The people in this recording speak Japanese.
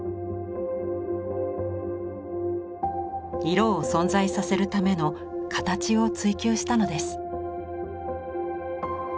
色を存在させるための「形」を追求したのです。